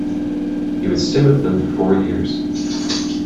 He would stay with them four years.